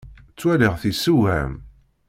Ttwaliɣ-t yessewham.